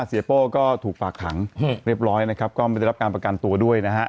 โป้ก็ถูกฝากขังเรียบร้อยนะครับก็ไม่ได้รับการประกันตัวด้วยนะฮะ